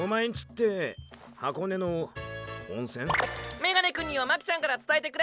メガネくんには巻ちゃんから伝えてくれ。